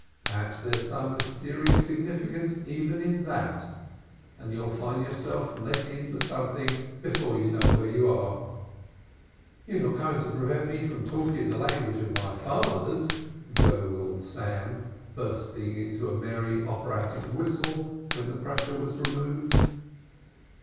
Perhaps there's some mysterious significance even in that, and you'll find yourself let in for something before you know where you are." "You're not going to prevent me talking the language of my Fathers," gurgled Sam, bursting into a merry operatic whistle when the pressure was removed.